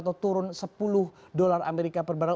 atau turun sepuluh dolar amerika per barrel